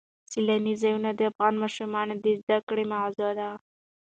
سیلانی ځایونه د افغان ماشومانو د زده کړې موضوع ده.